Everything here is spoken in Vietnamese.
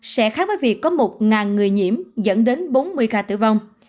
sẽ khác với việc có một người nhiễm dẫn đến bốn mươi ca tử vong